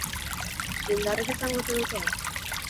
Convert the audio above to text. Indarrik izango ote dute?